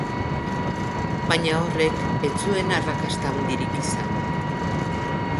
Baina horrek ez zuen arrakasta handirik izan.